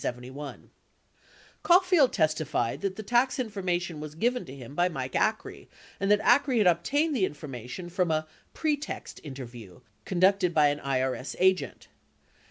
46 Caulfield testified that the tax information was given to him by Mike Acree, and that Acree had obtained the information from a "pretext interview" conducted by an IRS agent.